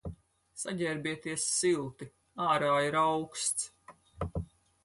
Saģērbieties silti, ārā ir auksts.